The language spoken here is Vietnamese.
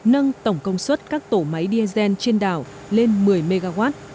nâng tổng công suất các tổ máy diesel trên đảo lên một mươi mw